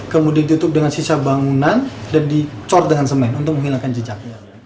kemudian ditutup dengan sisa bangunan dan dicor dengan semen untuk menghilangkan jejak